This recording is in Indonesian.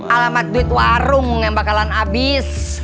alamat duit warung yang bakalan habis